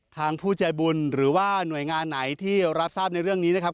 ผู้ใจบุญหรือว่าหน่วยงานไหนที่รับทราบในเรื่องนี้นะครับ